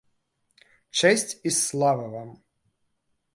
Чэсць і слава вам!